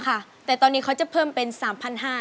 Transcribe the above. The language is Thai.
๒๕๐๐ค่ะแต่ตอนนี้เขาจะเพิ่มเป็น๓๕๐๐แล้วค่ะ